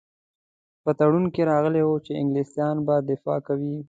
په تړون کې راغلي وو چې انګلیسیان به دفاع کوي.